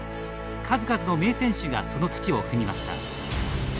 数々の名選手がその土を踏みました。